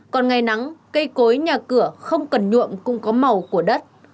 còn ngày nắng cây cối nhà cửa không cần nhuộm cũng có màu của đất